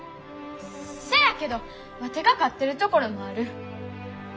せやけどワテが勝ってるところもある。